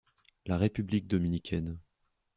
La République dominicaine.